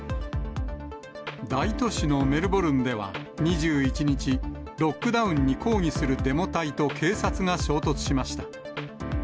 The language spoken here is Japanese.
大都市のメルボルンでは２１日、ロックダウンに抗議するデモ隊と警察が衝突しました。